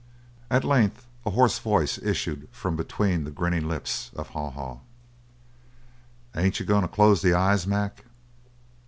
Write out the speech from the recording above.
At length a hoarse voice issued from between the grinning lips of Haw Haw. "Ain't you goin' to close the eyes, Mac?"